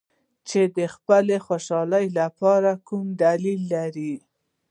چې د خپلې خوشحالۍ لپاره کم دلیل لري.